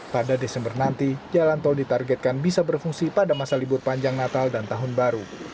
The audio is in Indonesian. pada desember nanti jalan tol ditargetkan bisa berfungsi pada masa libur panjang natal dan tahun baru